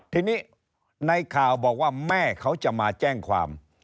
ทีนี้ในข่าวบอกว่าแม่เขาจะมาแจ้งความ